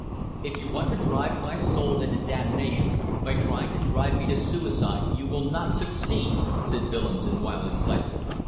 "If you want to drive my soul into damnation by trying to drive me to suicide you will not succeed," said Willems in wild excitement.